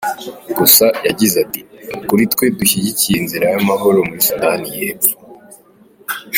Gusa yagize ati: “Kuri twe dushyigikiye inzira y’amahoro muri Sudani y’Epfo.”